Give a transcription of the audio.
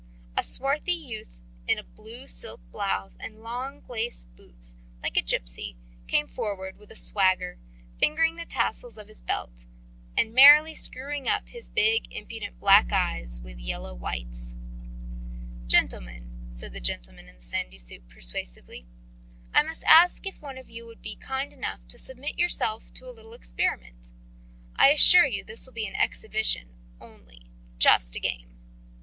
A swarthy youth in a blue silk blouse and long glacé boots, like a gipsy, came forward with a swagger, fingering the tassels of his belt, and merrily screwing up his big, impudent black eyes with yellow whites. "Gentlemen," said the gentleman in the sandy suit persuasively, "I must ask if one of you would be kind enough to submit himself to a little experiment. I assure you this will be an exhibition only, just a game."